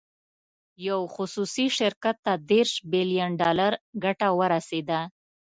یو خصوصي شرکت ته دېرش بیلین ډالر ګټه ورسېده.